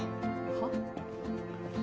はっ？